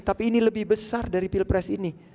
tapi ini lebih besar dari pilpres ini